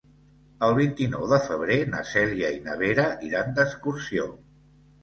El vint-i-nou de febrer na Cèlia i na Vera iran d'excursió.